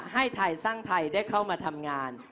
ให้ไทยสร้างไทยได้เข้ามาทำงาน